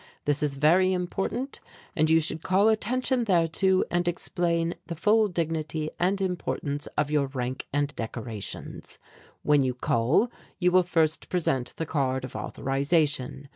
This is very important and you should call attention thereto and explain the full dignity and importance of your rank and decorations. "When you call you will first present the card of authorization.